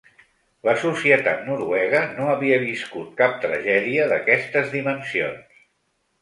La societat noruega no havia viscut cap tragèdia d’aquestes dimensions.